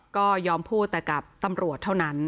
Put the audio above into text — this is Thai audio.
ก็ยอมพูดแต่กับตำรวจเท่านั้น